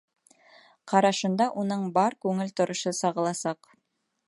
Ҡарашында уның бар күңел торошо сағыласаҡ.